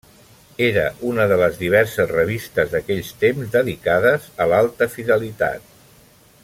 Era una de les diverses revistes d'aquells temps dedicades a l'alta fidelitat.